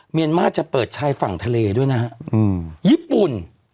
เมียนมาร์จะเปิดชายฝั่งทะเลด้วยนะฮะญี่ปุ่น